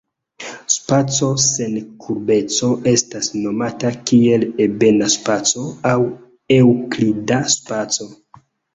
Spaco sen kurbeco estas nomata kiel "ebena spaco" aŭ eŭklida spaco.